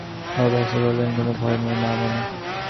বাবা এসে বলবেন-কোনো ভয় নেই মা-মণি।